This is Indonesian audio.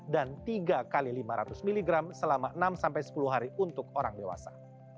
dan tiga x lima ratus mg selama enam sepuluh hari untuk orang dewasa